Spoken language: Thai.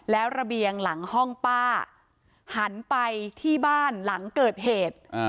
แล้วระเบียงหลังห้องป้าหันไปที่บ้านหลังเกิดเหตุ